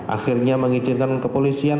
akhirnya mengizinkan kepolisian